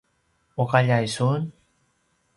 uqaljai sun?